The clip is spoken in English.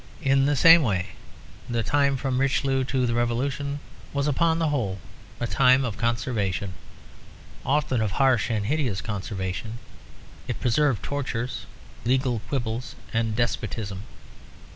In the same way the time from Richelieu to the Revolution was upon the whole a time of conservation, often of harsh and hideous conservation; it preserved tortures, legal quibbles, and despotism.